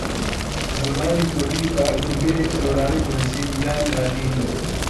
زمانی کوردی بە ئەلفوبێی سۆرانی بنووسین یان لاتینی؟